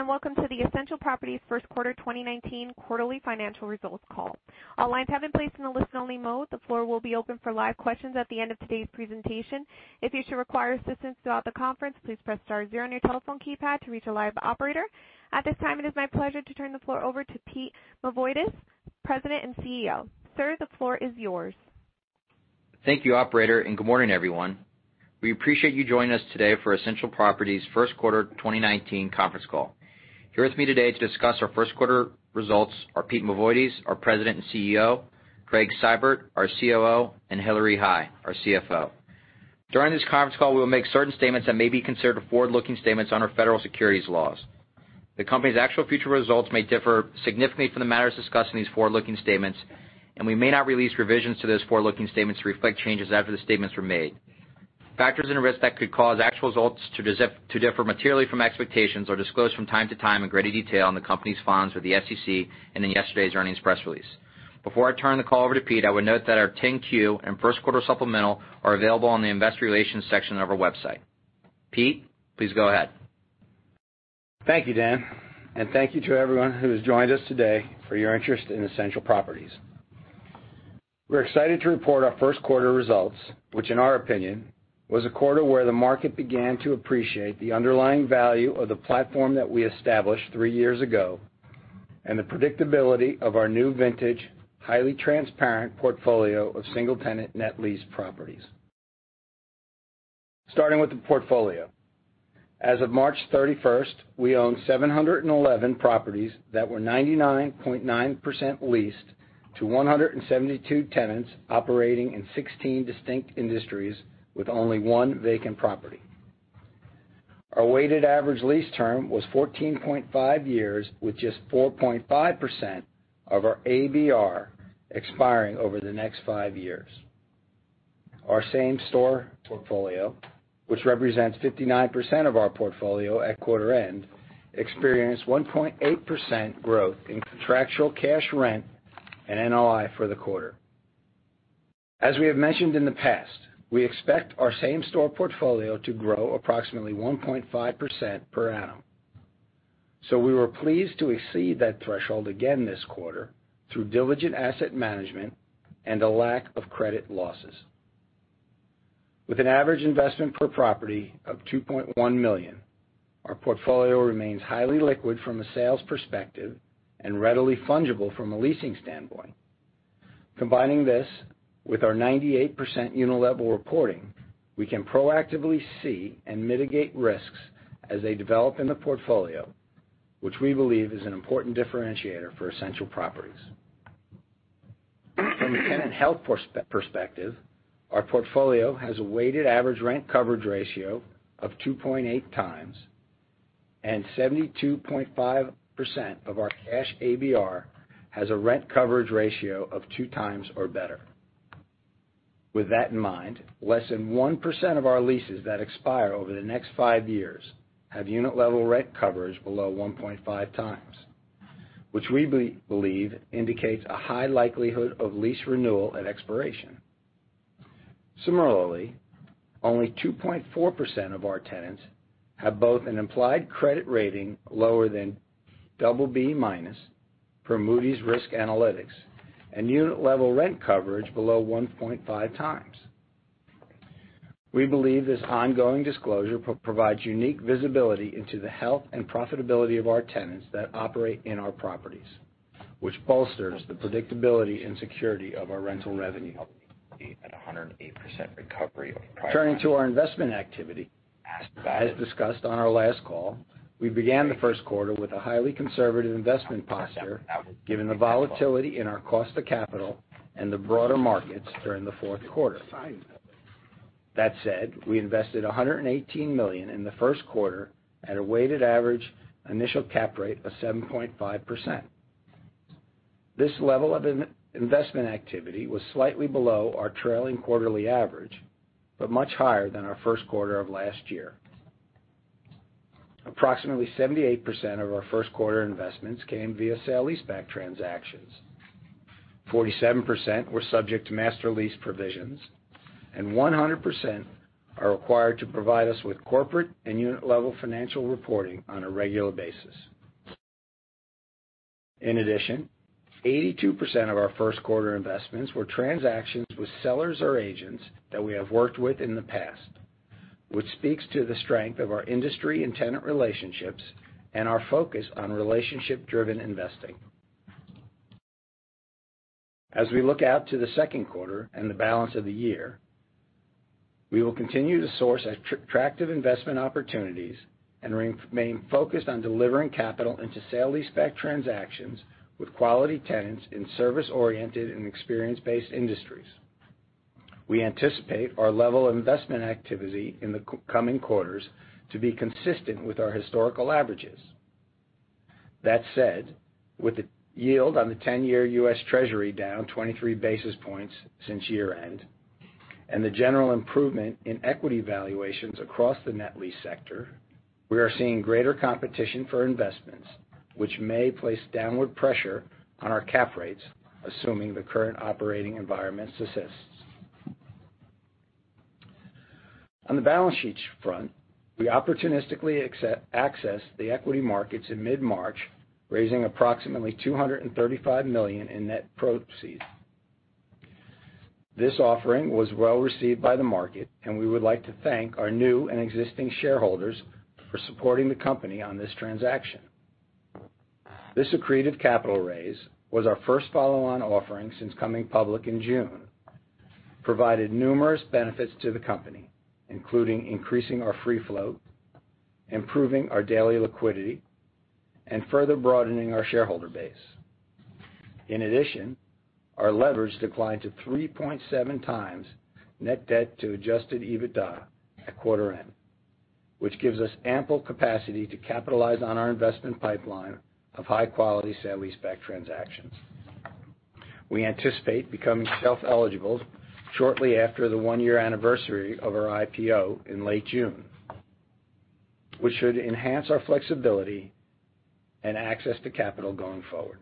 Ladies and gentlemen, welcome to the Essential Properties first quarter 2019 quarterly financial results call. All lines have been placed in the listen-only mode. The floor will be open for live questions at the end of today's presentation. If you should require assistance throughout the conference, please press star zero on your telephone keypad to reach a live operator. At this time, it is my pleasure to turn the floor over to Peter Mavoides, President and CEO. Sir, the floor is yours. Thank you, operator. Good morning, everyone. We appreciate you joining us today for Essential Properties' first-quarter 2019 conference call. Here with me today to discuss our first quarter results are Peter Mavoides, our President and CEO, Gregg Seibert, our COO, and Hillary Hai, our CFO. During this conference call, we will make certain statements that may be considered forward-looking statements under federal securities laws. The company's actual future results may differ significantly from the matters discussed in these forward-looking statements. We may not release revisions to those forward-looking statements to reflect changes after the statements were made. Factors and risks that could cause actual results to differ materially from expectations are disclosed from time to time in greater detail in the company's files with the SEC and in yesterday's earnings press release. Before I turn the call over to Pete, I would note that our 10-Q and first quarter supplemental are available on the investor relations section of our website. Pete, please go ahead. Thank you, Dan. Thank you to everyone who has joined us today for your interest in Essential Properties. We're excited to report our first quarter results, which in our opinion, was a quarter where the market began to appreciate the underlying value of the platform that we established three years ago and the predictability of our new vintage, highly transparent portfolio of single-tenant net lease properties. Starting with the portfolio. As of March 31st, we owned 711 properties that were 99.9% leased to 172 tenants operating in 16 distinct industries with only one vacant property. Our weighted average lease term was 14.5 years, with just 4.5% of our ABR expiring over the next five years. Our same-store portfolio, which represents 59% of our portfolio at quarter end, experienced 1.8% growth in contractual cash rent and NOI for the quarter. As we have mentioned in the past, we expect our same-store portfolio to grow approximately 1.5% per annum. We were pleased to exceed that threshold again this quarter through diligent asset management and a lack of credit losses. With an average investment per property of $2.1 million, our portfolio remains highly liquid from a sales perspective and readily fungible from a leasing standpoint. Combining this with our 98% unit-level reporting, we can proactively see and mitigate risks as they develop in the portfolio, which we believe is an important differentiator for Essential Properties. From a tenant health perspective, our portfolio has a weighted average rent coverage ratio of 2.8 times, and 72.5% of our cash ABR has a rent coverage ratio of two times or better. With that in mind, less than 1% of our leases that expire over the next five years have unit-level rent coverage below 1.5 times, which we believe indicates a high likelihood of lease renewal at expiration. Similarly, only 2.4% of our tenants have both an implied credit rating lower than BB minus per Moody's Risk Analytics and unit-level rent coverage below 1.5 times. We believe this ongoing disclosure provides unique visibility into the health and profitability of our tenants that operate in our properties, which bolsters the predictability and security of our rental revenue. At 108% recovery over prior- Turning to our investment activity- As- As discussed on our last call, we began the first quarter with a highly conservative investment posture, given the volatility in our cost of capital and the broader markets during the fourth quarter. That said, we invested $118 million in the first quarter at a weighted average initial cap rate of 7.5%. This level of investment activity was slightly below our trailing quarterly average, but much higher than our first quarter of last year. Approximately 78% of our first quarter investments came via sale leaseback transactions. 47% were subject to master lease provisions, and 100% are required to provide us with corporate and unit-level financial reporting on a regular basis. In addition, 82% of our first quarter investments were transactions with sellers or agents that we have worked with in the past, which speaks to the strength of our industry and tenant relationships and our focus on relationship-driven investing. As we look out to the second quarter and the balance of the year, we will continue to source attractive investment opportunities and remain focused on delivering capital into sale leaseback transactions with quality tenants in service-oriented and experience-based industries. We anticipate our level of investment activity in the coming quarters to be consistent with our historical averages. That said, with the yield on the 10-year US Treasury down 23 basis points since year-end, and the general improvement in equity valuations across the net lease sector, we are seeing greater competition for investments, which may place downward pressure on our cap rates, assuming the current operating environment persists On the balance sheet front, we opportunistically accessed the equity markets in mid-March, raising approximately $235 million in net proceeds. This offering was well-received by the market, and we would like to thank our new and existing shareholders for supporting the company on this transaction. This accretive capital raise was our first follow-on offering since coming public in June, provided numerous benefits to the company, including increasing our free float, improving our daily liquidity, and further broadening our shareholder base. In addition, our leverage declined to 3.7 times net debt to adjusted EBITDA at quarter end, which gives us ample capacity to capitalize on our investment pipeline of high-quality sale-leaseback transactions. We anticipate becoming shelf-eligible shortly after the one-year anniversary of our IPO in late June, which should enhance our flexibility and access to capital going forward.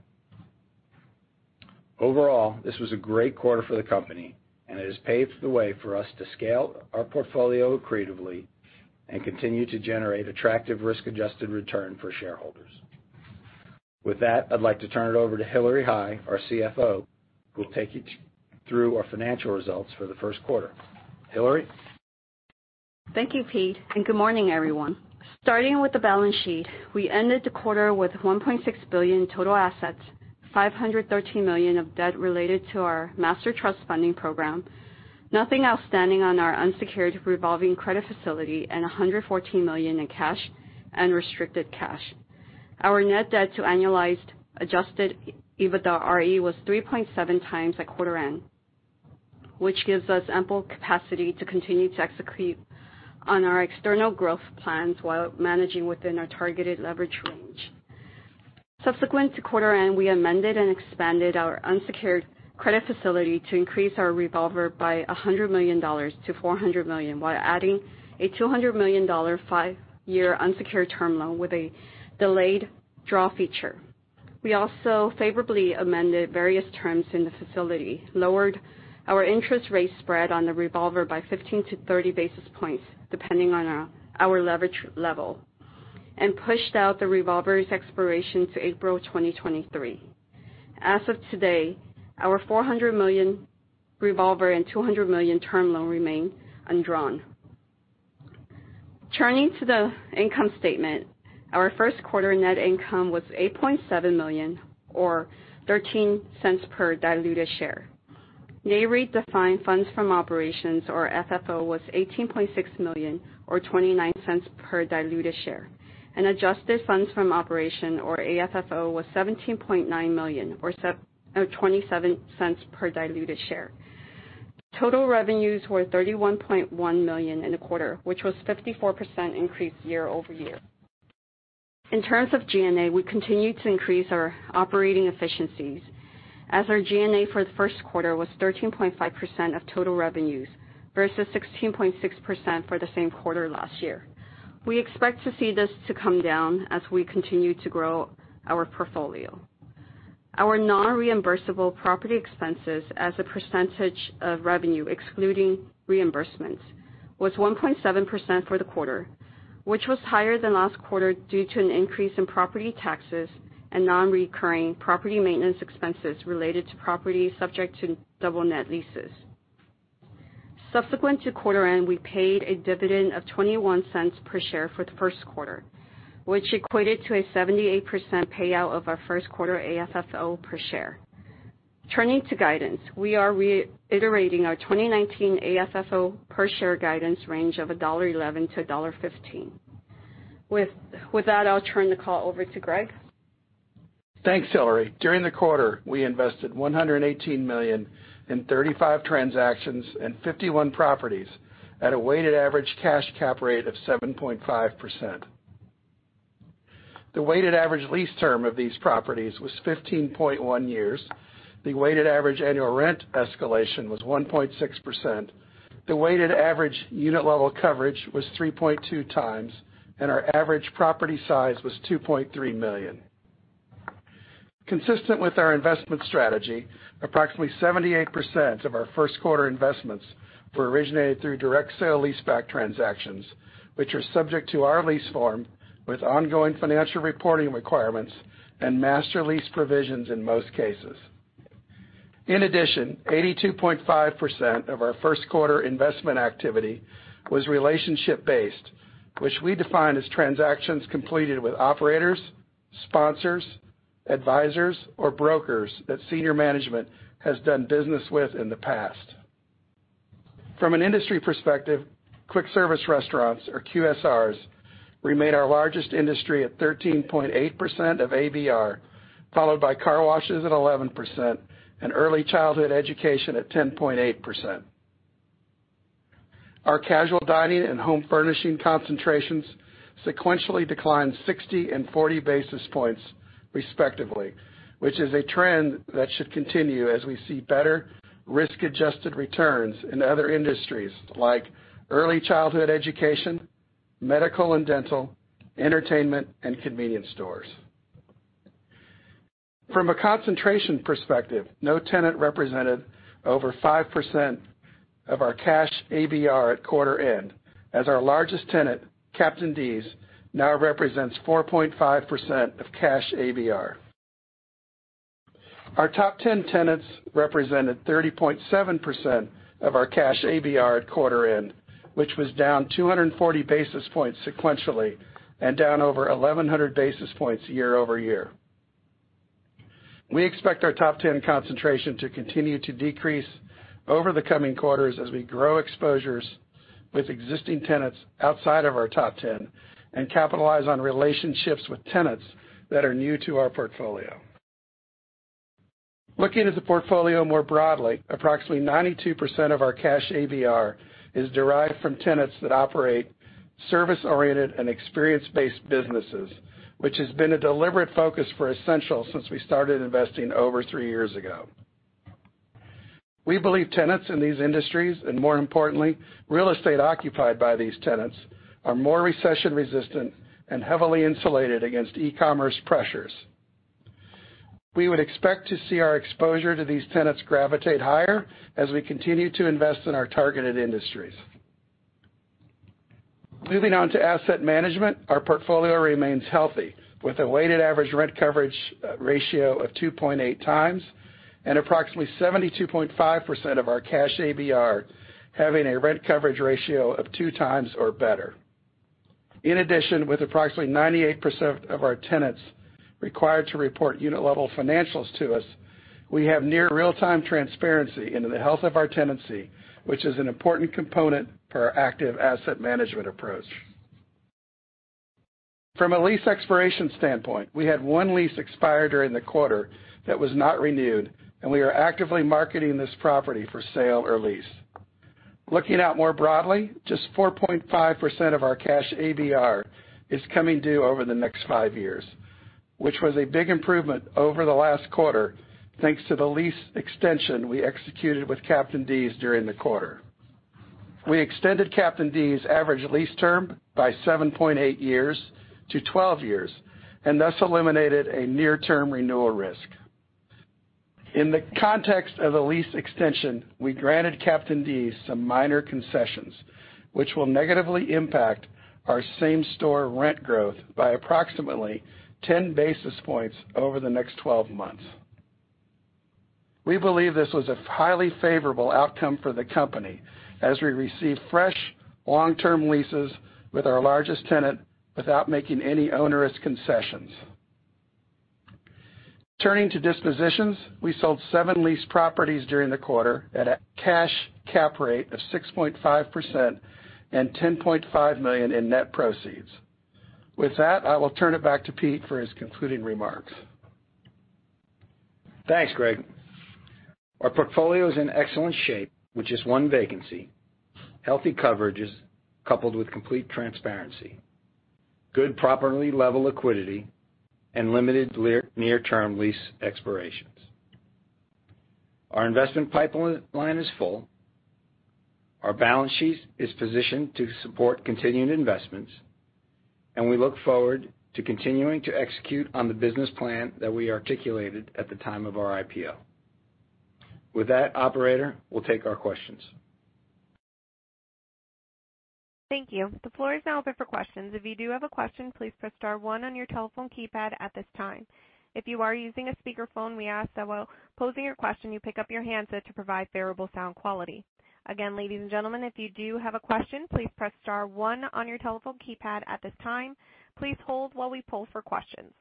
Overall, this was a great quarter for the company, and it has paved the way for us to scale our portfolio accretively and continue to generate attractive risk-adjusted return for shareholders. With that, I'd like to turn it over to Hillary Hai, our CFO, who will take you through our financial results for the first quarter. Hillary? Thank you, Pete, and good morning, everyone. Starting with the balance sheet, we ended the quarter with $1.6 billion total assets, $513 million of debt related to our master trust funding program, nothing outstanding on our unsecured revolving credit facility, and $114 million in cash and restricted cash. Our net debt to annualized adjusted EBITDAre was 3.7 times at quarter end, which gives us ample capacity to continue to accrete on our external growth plans while managing within our targeted leverage range. Subsequent to quarter end, we amended and expanded our unsecured credit facility to increase our revolver by $100 million to $400 million, while adding a $200 million five-year unsecured term loan with a delayed draw feature. We also favorably amended various terms in the facility, lowered our interest rate spread on the revolver by 15 to 30 basis points, depending on our leverage level, and pushed out the revolver's expiration to April 2023. As of today, our $400 million revolver and $200 million term loan remain undrawn. Turning to the income statement, our first quarter net income was $8.7 million or $0.13 per diluted share. NAREIT defined funds from operations, or FFO, was $18.6 million or $0.29 per diluted share. Adjusted funds from operation, or AFFO, was $17.9 million or $0.27 per diluted share. Total revenues were $31.1 million in the quarter, which was a 54% increase year-over-year. In terms of G&A, we continue to increase our operating efficiencies as our G&A for the first quarter was 13.5% of total revenues versus 16.6% for the same quarter last year. We expect to see this to come down as we continue to grow our portfolio. Our non-reimbursable property expenses as a percentage of revenue excluding reimbursements, was 1.7% for the quarter, which was higher than last quarter due to an increase in property taxes and non-recurring property maintenance expenses related to properties subject to double net leases. Subsequent to quarter end, we paid a dividend of $0.21 per share for the first quarter, which equated to a 78% payout of our first quarter AFFO per share. Turning to guidance, we are reiterating our 2019 AFFO per share guidance range of $1.11 to $1.15. With that, I'll turn the call over to Gregg. Thanks, Hillary. During the quarter, we invested $118 million in 35 transactions and 51 properties at a weighted average cash cap rate of 7.5%. The weighted average lease term of these properties was 15.1 years. The weighted average annual rent escalation was 1.6%. The weighted average unit level coverage was 3.2 times, and our average property size was $2.3 million. Consistent with our investment strategy, approximately 78% of our first-quarter investments were originated through direct sale-leaseback transactions, which are subject to our lease form with ongoing financial reporting requirements and master lease provisions in most cases. In addition, 82.5% of our first-quarter investment activity was relationship-based, which we define as transactions completed with operators, sponsors, advisors, or brokers that senior management has done business with in the past. From an industry perspective, quick service restaurants, or QSRs, remain our largest industry at 13.8% of ABR, followed by car washes at 11% and early childhood education at 10.8%. Our casual dining and home furnishing concentrations sequentially declined 60 and 40 basis points respectively, which is a trend that should continue as we see better risk-adjusted returns in other industries like early childhood education, medical and dental, entertainment, and convenience stores. From a concentration perspective, no tenant represented over 5% of our cash ABR at quarter end, as our largest tenant, Captain D's, now represents 4.5% of cash ABR. Our top 10 tenants represented 30.7% of our cash ABR at quarter end, which was down 240 basis points sequentially, and down over 1,100 basis points year-over-year. We expect our top 10 concentration to continue to decrease over the coming quarters as we grow exposures with existing tenants outside of our top 10 and capitalize on relationships with tenants that are new to our portfolio. Looking at the portfolio more broadly, approximately 92% of our cash ABR is derived from tenants that operate service-oriented and experience-based businesses, which has been a deliberate focus for Essential since we started investing over three years ago. We believe tenants in these industries, and more importantly, real estate occupied by these tenants, are more recession-resistant and heavily insulated against e-commerce pressures. We would expect to see our exposure to these tenants gravitate higher as we continue to invest in our targeted industries. Moving on to asset management. Our portfolio remains healthy, with a weighted average rent coverage ratio of 2.8 times and approximately 72.5% of our cash ABR having a rent coverage ratio of two times or better. In addition, with approximately 98% of our tenants required to report unit level financials to us, we have near real-time transparency into the health of our tenancy, which is an important component for our active asset management approach. From a lease expiration standpoint, we had one lease expire during the quarter that was not renewed, and we are actively marketing this property for sale or lease. Looking out more broadly, just 4.5% of our cash ABR is coming due over the next five years, which was a big improvement over the last quarter, thanks to the lease extension we executed with Captain D's during the quarter. We extended Captain D's average lease term by 7.8 years to 12 years, and thus eliminated a near-term renewal risk. In the context of the lease extension, we granted Captain D's some minor concessions, which will negatively impact our same-store rent growth by approximately 10 basis points over the next 12 months. We believe this was a highly favorable outcome for the company as we receive fresh long-term leases with our largest tenant without making any onerous concessions. Turning to dispositions. We sold seven lease properties during the quarter at a cash cap rate of 6.5% and $10.5 million in net proceeds. With that, I will turn it back to Pete for his concluding remarks. Thanks, Gregg. Our portfolio is in excellent shape, with just one vacancy, healthy coverages, coupled with complete transparency, good property level liquidity, and limited near-term lease expirations. Our investment pipeline is full. Our balance sheet is positioned to support continued investments. We look forward to continuing to execute on the business plan that we articulated at the time of our IPO. With that, operator, we'll take our questions. Thank you. The floor is now open for questions. If you do have a question, please press star one on your telephone keypad at this time. If you are using a speakerphone, we ask that while posing your question, you pick up your handset to provide variable sound quality. Again, ladies and gentlemen, if you do have a question, please press star one on your telephone keypad at this time. Please hold while we poll for questions.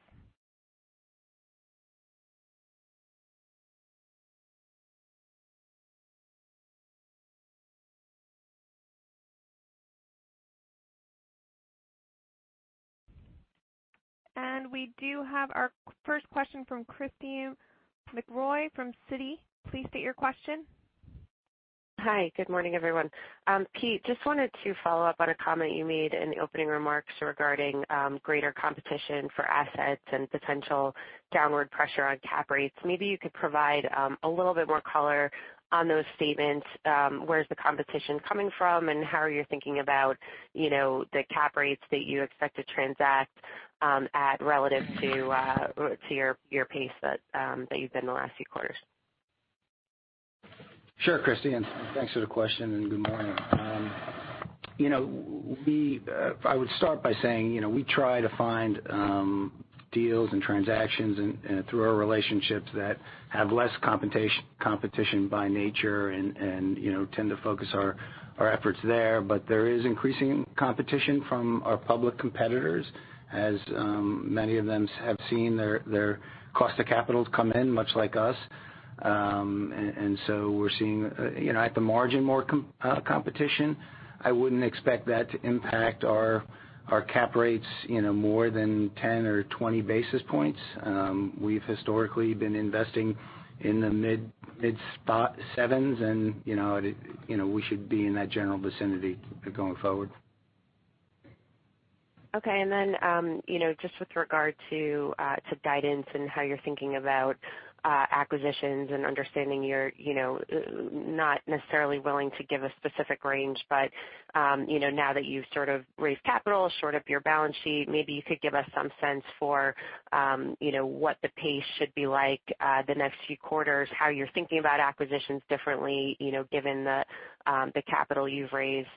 We do have our first question from Katy McConnell from Citi. Please state your question. Hi. Good morning, everyone. Pete, just wanted to follow up on a comment you made in the opening remarks regarding greater competition for assets and potential downward pressure on cap rates. Maybe you could provide a little bit more color on those statements. Where's the competition coming from, and how are you thinking about the cap rates that you expect to transact at relative to your pace that you've been the last few quarters? Sure, Christy. Thanks for the question and good morning. I would start by saying, we try to find deals and transactions through our relationships that have less competition by nature and tend to focus our efforts there. There is increasing competition from our public competitors as many of them have seen their cost of capital come in much like us. We're seeing at the margin, more competition. I wouldn't expect that to impact our cap rates more than 10 or 20 basis points. We've historically been investing in the mid spot sevens and we should be in that general vicinity going forward. Just with regard to guidance and how you're thinking about acquisitions and understanding you're not necessarily willing to give a specific range, now that you've sort of raised capital, shored up your balance sheet, maybe you could give us some sense for what the pace should be like the next few quarters, how you're thinking about acquisitions differently, given the capital you've raised,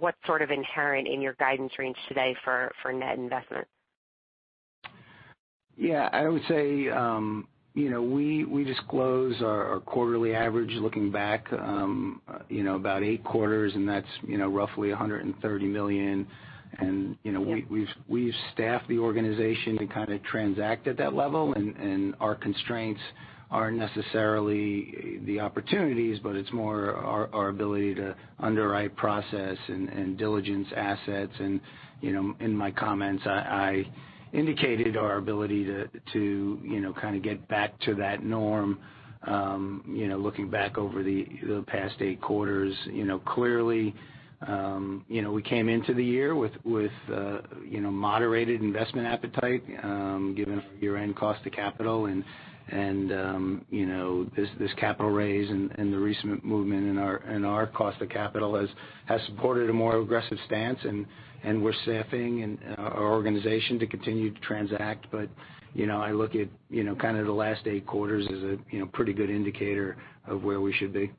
what's sort of inherent in your guidance range today for net investment. Yeah. I would say, we disclose our quarterly average looking back about eight quarters, and that's roughly $130 million. Yeah We've staffed the organization to kind of transact at that level, our constraints aren't necessarily the opportunities, but it's more our ability to underwrite process and diligence assets. In my comments, I indicated our ability to kind of get back to that norm. Looking back over the past eight quarters, clearly, we came into the year with moderated investment appetite, given our year-end cost of capital. This capital raise and the recent movement in our cost of capital has supported a more aggressive stance, we're staffing our organization to continue to transact. I look at kind of the last eight quarters as a pretty good indicator of where we should be.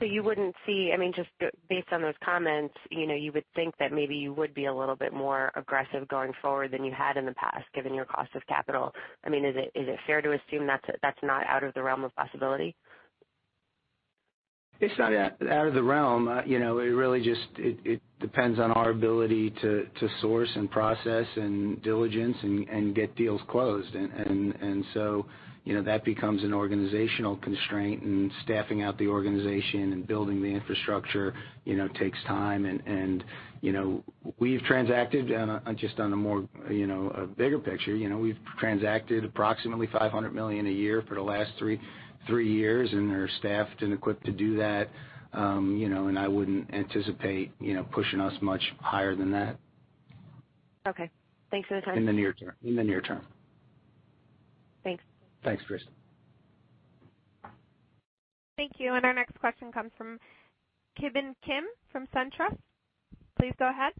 You wouldn't see, just based on those comments, you would think that maybe you would be a little bit more aggressive going forward than you had in the past, given your cost of capital. Is it fair to assume that's not out of the realm of possibility? It's not out of the realm. It really just depends on our ability to source and process and diligence and get deals closed. That becomes an organizational constraint, and staffing out the organization and building the infrastructure takes time. We've transacted, just on a bigger picture, we've transacted approximately $500 million a year for the last three years, and are staffed and equipped to do that. I wouldn't anticipate pushing us much higher than that. Okay. Thanks for the time. In the near term. Thanks. Thanks, Chris. Thank you. Our next question comes from Ki-Hwan Kim from SunTrust. Please go ahead.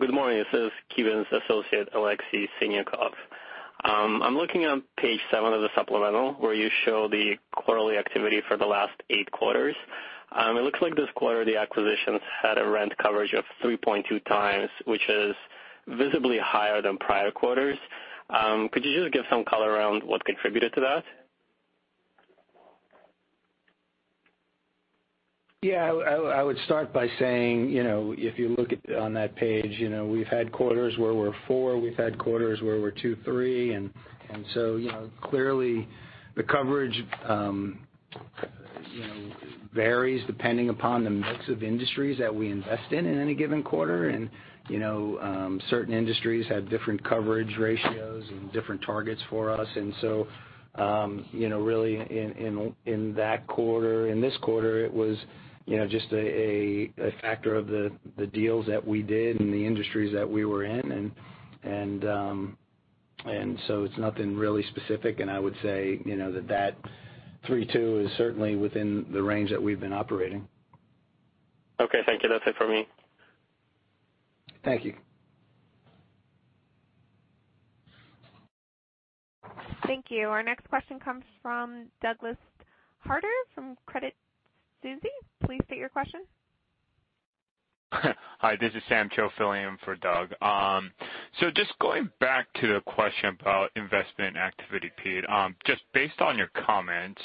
Good morning. This is Ki-Hwan's associate, Alexey Sinyakov. I'm looking on page seven of the supplemental, where you show the quarterly activity for the last eight quarters. It looks like this quarter, the acquisitions had a rent coverage of 3.2 times, which is visibly higher than prior quarters. Could you just give some color around what contributed to that? Yeah. I would start by saying, if you look on that page, we've had quarters where we're four, we've had quarters where we're two, three. Clearly, the coverage varies depending upon the mix of industries that we invest in in any given quarter. Certain industries have different coverage ratios and different targets for us. Really, in this quarter, it was just a factor of the deals that we did and the industries that we were in. It's nothing really specific, and I would say that 3.2 is certainly within the range that we've been operating. Okay, thank you. That's it for me. Thank you. Thank you. Our next question comes from Douglas Harter from Credit Suisse. Please state your question. Hi, this is Sam Cho filling in for Doug. going back to the question about investment activity, Pete. Just based on your comments,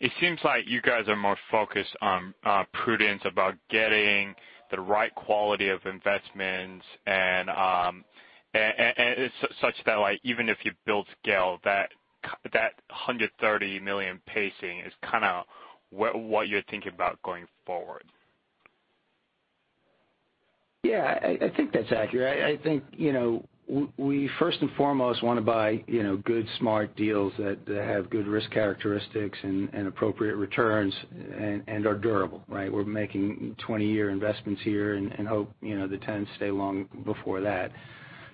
it seems like you guys are more focused on prudence about getting the right quality of investments, and it's such that even if you build scale, that $130 million pacing is kind of what you're thinking about going forward. Yeah. I think that's accurate. I think we first and foremost want to buy good, smart deals that have good risk characteristics and appropriate returns and are durable, right? We're making 20-year investments here and hope the tenants stay long before that.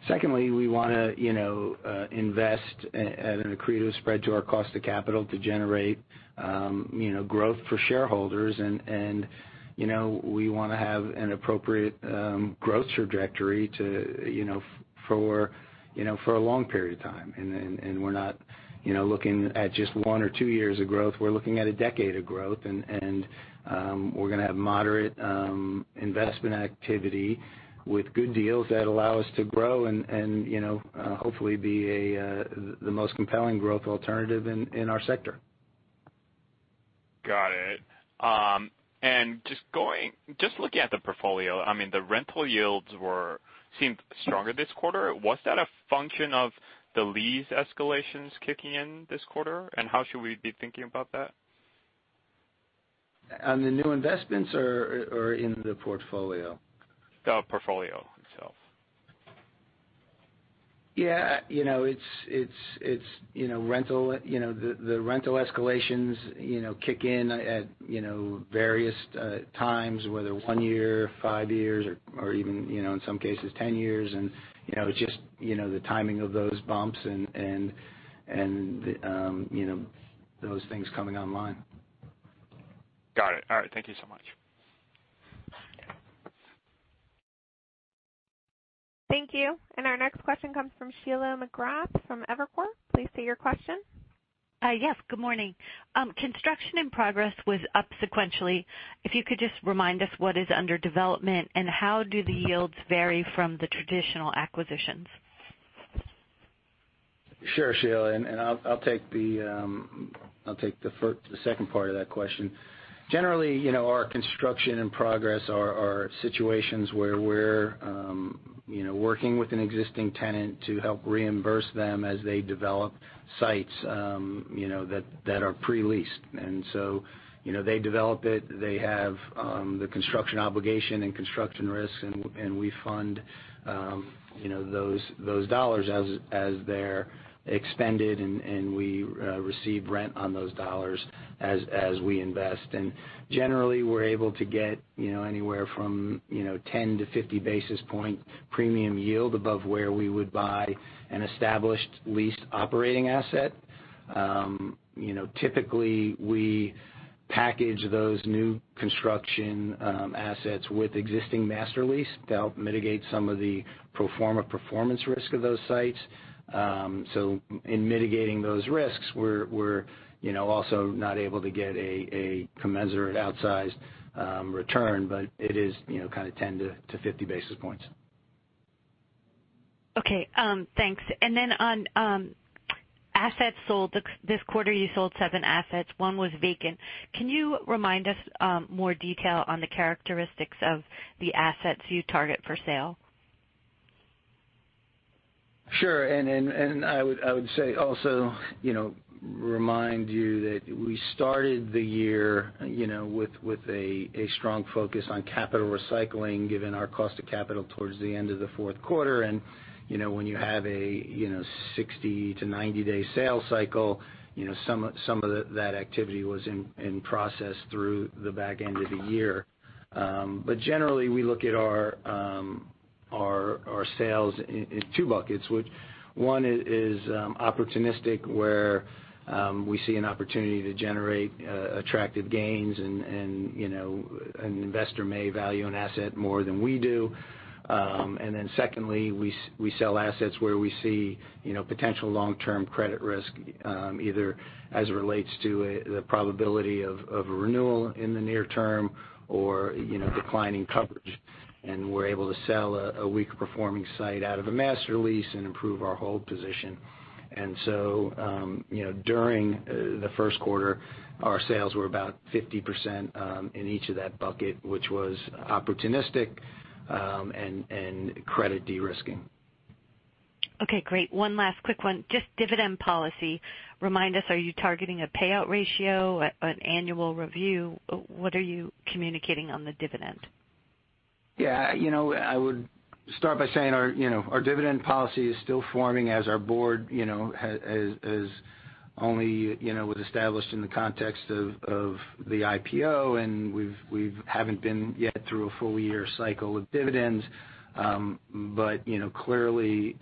Secondly, we want to invest at an accretive spread to our cost of capital to generate growth for shareholders and we want to have an appropriate growth trajectory for a long period of time. We're not looking at just one or two years of growth. We're looking at a decade of growth, we're going to have moderate investment activity with good deals that allow us to grow and hopefully be the most compelling growth alternative in our sector. Got it. Just looking at the portfolio, the rental yields seemed stronger this quarter. Was that a function of the lease escalations kicking in this quarter? How should we be thinking about that? On the new investments or in the portfolio? The portfolio itself. Yeah. The rental escalations kick in at various times, whether one year, five years, or even, in some cases, 10 years. It's just the timing of those bumps and those things coming online. Got it. All right. Thank you so much. Thank you. Our next question comes from Sheila McGrath from Evercore. Please state your question. Yes. Good morning. Construction in progress was up sequentially. If you could just remind us what is under development, and how do the yields vary from the traditional acquisitions? Sure, Sheila, I'll take the second part of that question. Generally, our construction in progress are situations where we're working with an existing tenant to help reimburse them as they develop sites that are pre-leased. They develop it. They have the construction obligation and construction risks, we fund those dollars as they're expended, and we receive rent on those dollars as we invest. Generally, we're able to get anywhere from 10 to 50 basis point premium yield above where we would buy an established leased operating asset. Typically, we package those new construction assets with existing master lease to help mitigate some of the pro forma performance risk of those sites. In mitigating those risks, we're also not able to get a commensurate outsized return, but it is kind of 10 to 50 basis points. Okay. Thanks. On assets sold, this quarter you sold seven assets. One was vacant. Can you remind us more detail on the characteristics of the assets you target for sale? Sure, I would say also remind you that we started the year with a strong focus on capital recycling, given our cost of capital towards the end of the fourth quarter. When you have a 60- to 90-day sales cycle, some of that activity was in process through the back end of the year. Generally, we look at our sales in two buckets. One is opportunistic, where we see an opportunity to generate attractive gains, an investor may value an asset more than we do. Secondly, we sell assets where we see potential long-term credit risk, either as it relates to the probability of a renewal in the near term or declining coverage. We're able to sell a weaker-performing site out of a master lease and improve our hold position. During the first quarter, our sales were about 50% in each of that bucket, which was opportunistic and credit de-risking. Okay. Great. One last quick one. Just dividend policy. Remind us, are you targeting a payout ratio, an annual review? What are you communicating on the dividend? Yeah. I would start by saying our dividend policy is still forming as our board was established in the context of the IPO, and we haven't been yet through a full-year cycle of dividends. Clearly,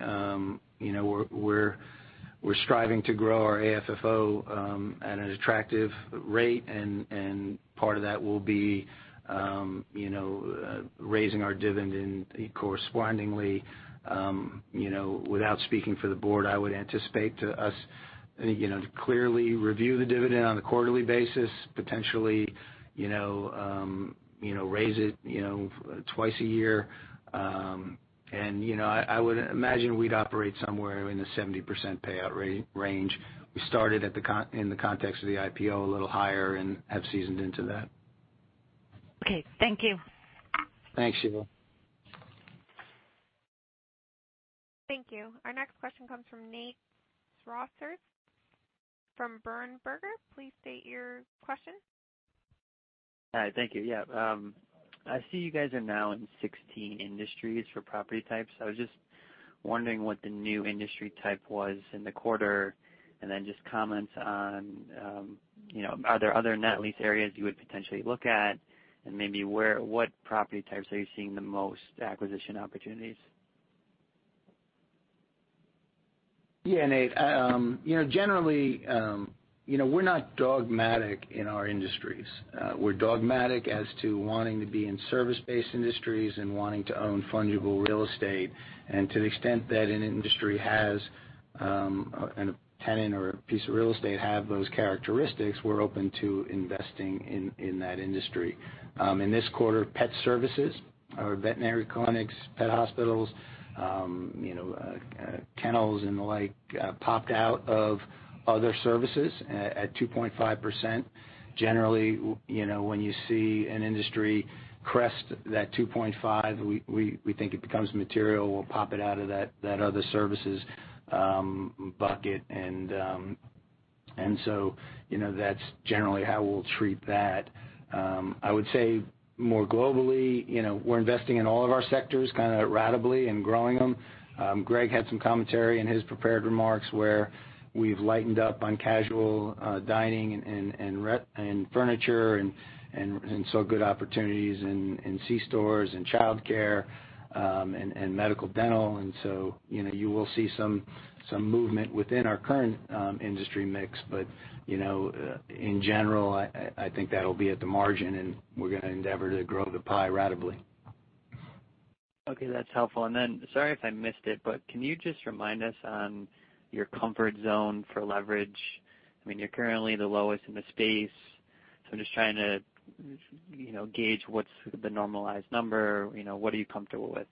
we're striving to grow our AFFO at an attractive rate, and part of that will be raising our dividend correspondingly. Without speaking for the board, I would anticipate to us to clearly review the dividend on a quarterly basis, potentially raise it twice a year. I would imagine we'd operate somewhere in the 70% payout range. We started in the context of the IPO a little higher and have seasoned into that. Okay. Thank you. Thanks, Sheila. Thank you. Our next question comes from Nate Stuteville from Berenberg. Please state your question. Hi. Thank you. Yeah. I see you guys are now in 16 industries for property types. I was just wondering what the new industry type was in the quarter, then just comments on, are there other net lease areas you would potentially look at? Maybe what property types are you seeing the most acquisition opportunities? Yeah, Nate. Generally, we're not dogmatic in our industries. We're dogmatic as to wanting to be in service-based industries and wanting to own fungible real estate. To the extent that an industry has a tenant or a piece of real estate have those characteristics, we're open to investing in that industry. In this quarter, pet services, our veterinary clinics, pet hospitals, kennels and the like, popped out of other services at 2.5%. Generally, when you see an industry crest that 2.5%, we think it becomes material. We'll pop it out of that other services bucket, that's generally how we'll treat that. I would say more globally, we're investing in all of our sectors kind of ratably and growing them. Gregg had some commentary in his prepared remarks where we've lightened up on casual dining and furniture and saw good opportunities in c-stores and childcare, and medical-dental. You will see some movement within our current industry mix. In general, I think that'll be at the margin, and we're going to endeavor to grow the pie ratably. Okay. That's helpful. Sorry if I missed it, but can you just remind us on your comfort zone for leverage? You're currently the lowest in the space, so I'm just trying to gauge what's the normalized number. What are you comfortable with?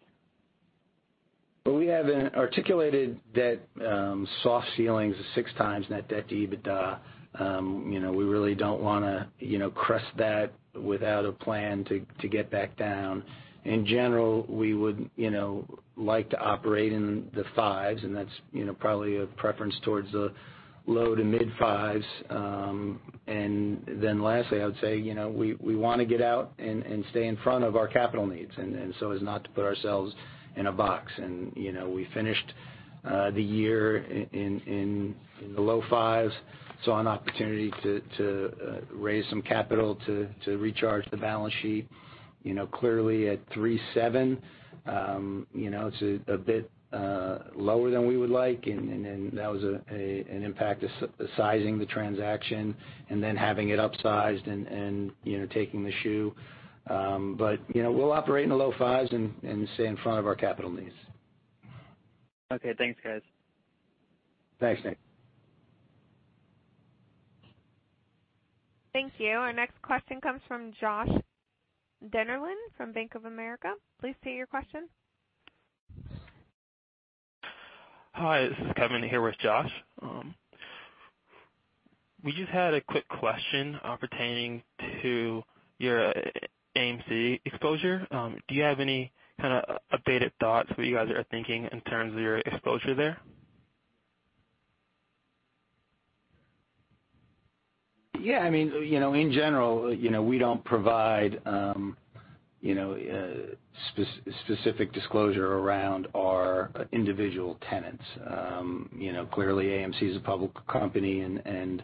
Well, we have an articulated debt soft ceilings of 6 times net debt to EBITDA. We really don't want to crest that without a plan to get back down. In general, we would like to operate in the 5s, that's probably a preference towards the low to mid 5s. Lastly, I would say, we want to get out and stay in front of our capital needs, so as not to put ourselves in a box. We finished the year in the low 5s, saw an opportunity to raise some capital to recharge the balance sheet. Clearly at 3.7, it's a bit lower than we would like. That was an impact of sizing the transaction and then having it upsized and taking the shoe. We'll operate in the low 5s and stay in front of our capital needs. Okay. Thanks, guys. Thanks, Nate. Thank you. Our next question comes from Joshua Dennerlein from Bank of America. Please state your question. Hi, this is Kevin here with Josh. We just had a quick question pertaining to your AMC exposure. Do you have any kind of updated thoughts what you guys are thinking in terms of your exposure there? Yeah. In general, we don't provide specific disclosure around our individual tenants. Clearly AMC is a public company and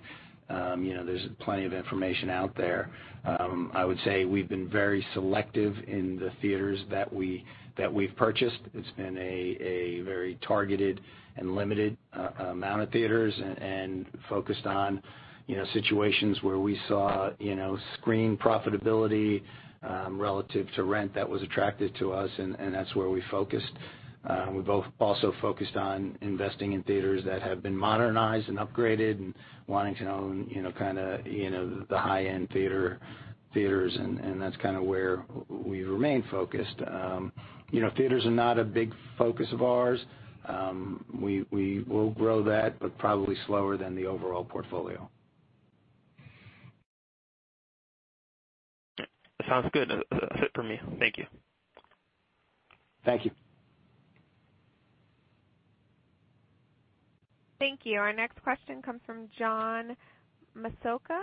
there's plenty of information out there. I would say we've been very selective in the theaters that we've purchased. It's been a very targeted and limited amount of theaters, and focused on situations where we saw screen profitability relative to rent that was attractive to us, and that's where we focused. We both also focused on investing in theaters that have been modernized and upgraded, and wanting to own kind of the high-end theaters, and that's kind of where we remain focused. Theaters are not a big focus of ours. We will grow that, but probably slower than the overall portfolio. Sounds good. That's it for me. Thank you. Thank you. Thank you. Our next question comes from John Massocca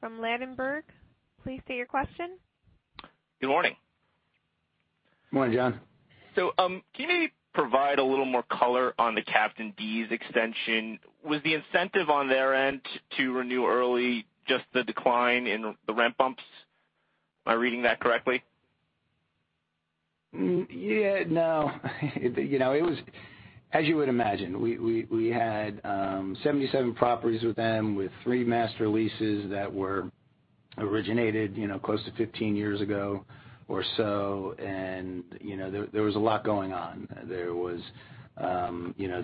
from Ladenburg. Please state your question. Good morning. Morning, John. Can you provide a little more color on the Captain D's extension? Was the incentive on their end to renew early just the decline in the rent bumps? Am I reading that correctly? Yeah. No. It was, as you would imagine, we had 77 properties with them, with 3 master leases that were originated close to 15 years ago or so. There was a lot going on. They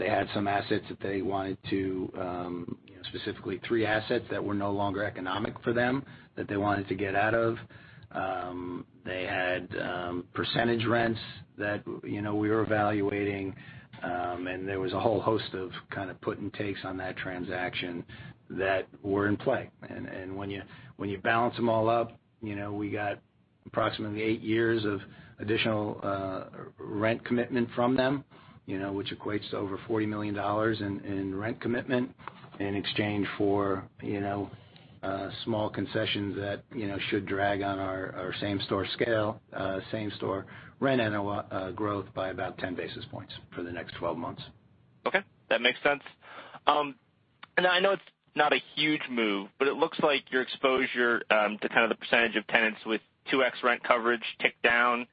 had some assets that they wanted to specifically 3 assets that were no longer economic for them, that they wanted to get out of. They had percentage rents that we were evaluating. There was a whole host of kind of put and takes on that transaction that were in play. When you balance them all up, we got approximately 8 years of additional rent commitment from them, which equates to over $40 million in rent commitment in exchange for small concessions that should drag on our same-store rent NOI growth by about 10 basis points for the next 12 months. Okay. That makes sense. I know it's not a huge move, but it looks like your exposure to kind of the percentage of tenants with 2x rent coverage ticked down,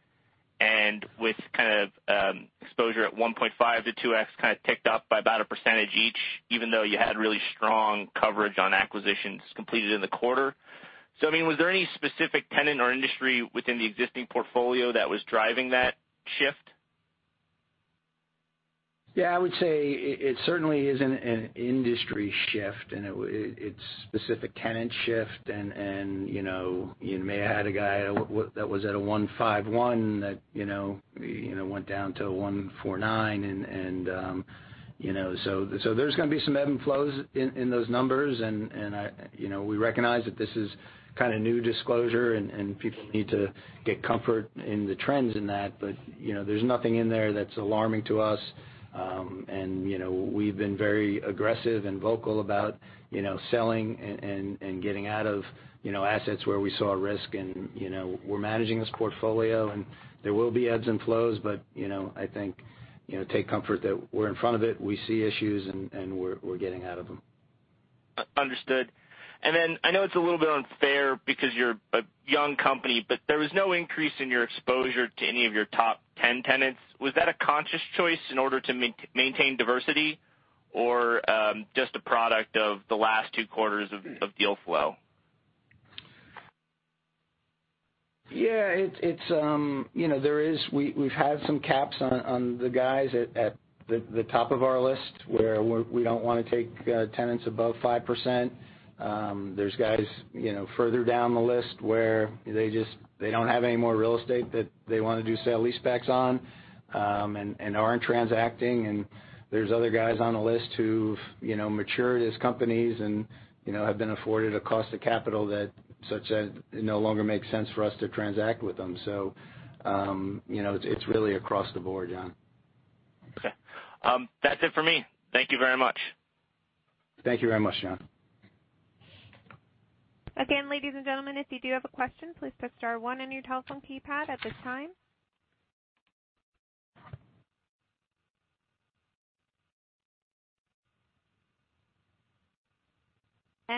and with kind of exposure at 1.5 to 2x kind of ticked up by about a percentage each, even though you had really strong coverage on acquisitions completed in the quarter. Was there any specific tenant or industry within the existing portfolio that was driving that shift? Yeah. I would say it certainly isn't an industry shift, it's specific tenant shift, you may had a guy that was at a 1.51 that went down to a 1.49. There's going to be some ebbs and flows in those numbers, we recognize that this is kind of new disclosure, people need to get comfort in the trends in that. There's nothing in there that's alarming to us. We've been very aggressive and vocal about selling and getting out of assets where we saw risk, we're managing this portfolio, there will be ebbs and flows, but I think take comfort that we're in front of it. We see issues, we're getting out of them. Understood. I know it's a little bit unfair because you're a young company, there was no increase in your exposure to any of your top 10 tenants. Was that a conscious choice in order to maintain diversity or just a product of the last two quarters of deal flow? Yeah. We've had some caps on the guys at the top of our list, where we don't want to take tenants above 5%. There's guys further down the list where they don't have any more real estate that they want to do sale leasebacks on, and aren't transacting. There's other guys on the list who've matured as companies and have been afforded a cost of capital that no longer makes sense for us to transact with them. It's really across the board, John. Okay. That's it for me. Thank you very much. Thank you very much, John. ladies and gentlemen, if you do have a question, please press star one on your telephone keypad at this time.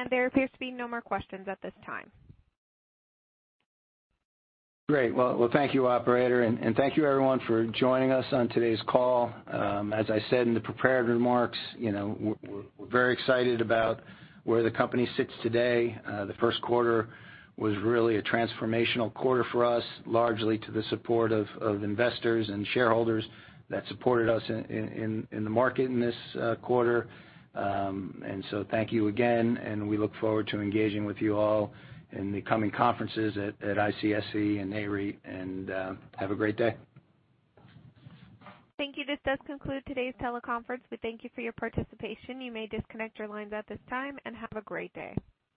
There appears to be no more questions at this time. Great. Well, thank you, operator, thank you everyone for joining us on today's call. As I said in the prepared remarks, we're very excited about where the company sits today. The first quarter was really a transformational quarter for us, largely to the support of investors and shareholders that supported us in the market in this quarter. Thank you again, we look forward to engaging with you all in the coming conferences at ICSC and Nareit, have a great day. Thank you. This does conclude today's teleconference. We thank you for your participation. You may disconnect your lines at this time, have a great day.